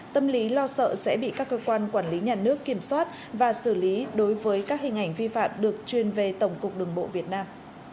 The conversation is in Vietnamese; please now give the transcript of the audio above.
tâm lý lo sợ sẽ bị các cơ quan quản lý nhà nước kiểm soát và xử lý đối với các hình ảnh vi phạm được truyền về tổng cục đường bộ việt nam